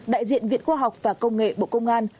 đại diện viện khoa học và công nghệ bộ công an